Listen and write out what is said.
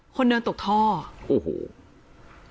คนเดินตกท่อโอ้โห